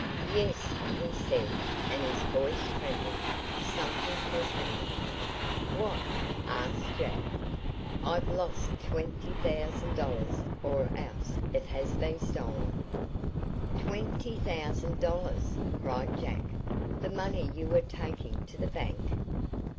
"Yes," he said, and his voice trembled, "something has happened." "What?" asked Jack. "I've lost twenty thousand dollars or else it has been stolen!" "Twenty thousand dollars!" cried Jack. "The money you were taking to the bank?"